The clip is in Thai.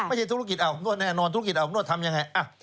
ไม่ใช่ธุรกิจออกโน้ดแน่นอนธุรกิจออกโน้ดทำยังไงอ่ะ